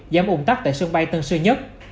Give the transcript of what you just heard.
giảm ủng tắc tại sân bay tân sơn nhất